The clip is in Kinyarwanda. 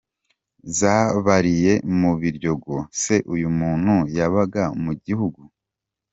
za bariyeri mu Biryogo se uyu muntu yabaga mu gihugu?.